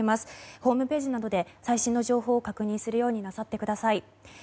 ホームページなどで最新の情報を確認するようになさってください。